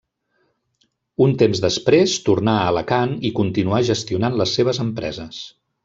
Un temps després tornà a Alacant i continuà gestionant les seves empreses.